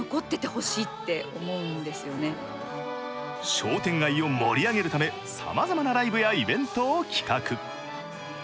商店街を盛り上げるため、さまざまなライブやイベントを企画。